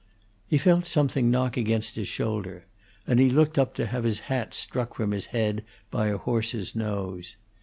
He felt something knock against his shoulder, and he looked up to have his hat struck from his head by a horse's nose.